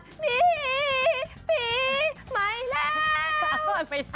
สวัสดีใหม่แล้ว